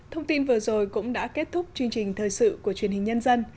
thông tin vừa rồi cũng đã kết thúc chương trình thời sự của truyền hình nhân dân